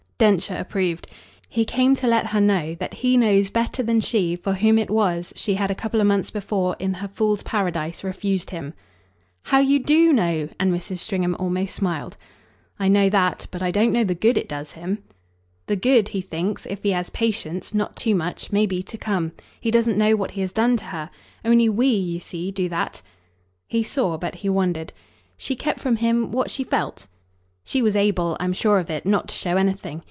Densher approved. "He came to let her know that he knows better than she for whom it was she had a couple of months before, in her fool's paradise, refused him." "How you DO know!" and Mrs. Stringham almost smiled. "I know that but I don't know the good it does him." "The good, he thinks, if he has patience not too much may be to come. He doesn't know what he has done to her. Only WE, you see, do that." He saw, but he wondered. "She kept from him what she felt?" "She was able I'm sure of it not to show anything.